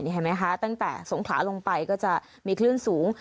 เห็นไหมคะตั้งแต่สงขลาลงไปก็จะมีคลื่นสูง